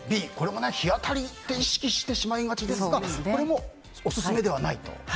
日当たりって意識してしまいがちですがこれもオススメではないと。